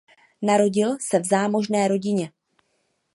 Narodil se v zámožné rodině.